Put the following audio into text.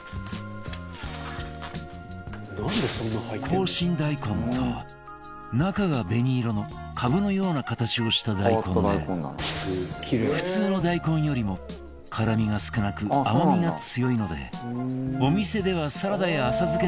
紅芯大根とは中が紅色のカブのような形をした大根で普通の大根よりも辛みが少なく甘みが強いのでお店ではサラダや浅漬けなどでよく使われている